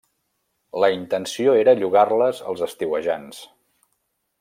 La intenció era llogar-les als estiuejants.